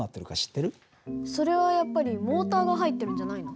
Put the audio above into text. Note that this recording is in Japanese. それはやっぱりモーターが入ってるんじゃないの？